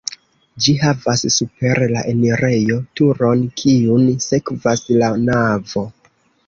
Ĝi havas super la enirejo turon, kiun sekvas la navo.